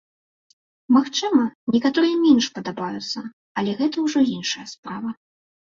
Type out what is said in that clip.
Магчыма, некаторыя менш падабаюцца, але гэта ўжо іншая справа.